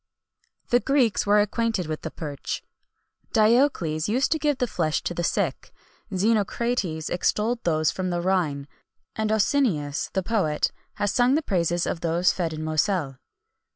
The Greeks were acquainted with the perch.[XXI 159] Diocles used to give the flesh to the sick;[XXI 160] Xenocrates extolled those from the Rhine;[XXI 161] and Ausonius, the poet, has sung the praises of those fed in the Moselle.